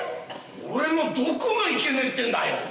俺のどこがいけねえってんだよ。